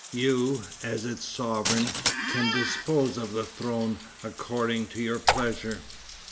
You, as its sovereign, can dispose of the throne according to your pleasure.